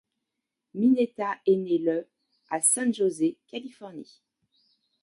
Mineta est né le à San José, Californie.